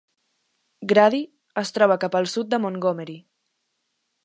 Grady es troba cap al sud de Montgomery.